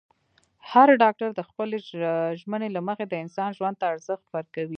هر ډاکټر د خپلې ژمنې له مخې د انسان ژوند ته ارزښت ورکوي.